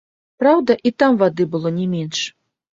Праўда, і там вады было не менш.